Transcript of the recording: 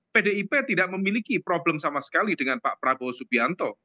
pdip tidak memiliki problem sama sekali dengan pak prabowo subianto